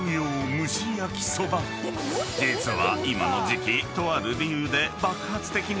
［実は］